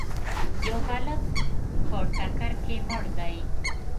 یو هلک په ټکر کي مړ دی.